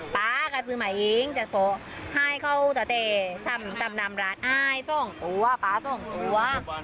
ปั๊กก็ซื้อมาเองจะสอให้เขาจะเตะสำนำร้านไอ้ส่องตัวปั๊กส่องตัว